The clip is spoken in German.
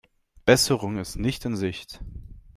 Besserung ist nicht in Sicht.